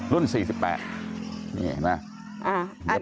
รุ่น๔๘นี่เห็นไหม